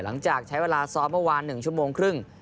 หลังจากใช้เวลาซ้อมเมื่อวาน๑ชั่วโมงครึ่ง